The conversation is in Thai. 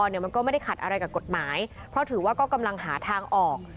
เนี่ยมันก็ไม่ได้ขัดอะไรกับกฎหมายเพราะถือว่าก็กำลังหาทางออก